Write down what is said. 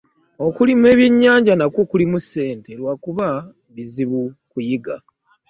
Okulima ebyennyanja nakwo kulimu ssente lwakuba bizibu kuyiga.